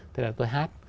thế là tôi hát